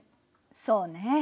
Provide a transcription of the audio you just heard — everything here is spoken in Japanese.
そうね。